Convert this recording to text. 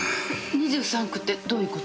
２３区ってどういう事？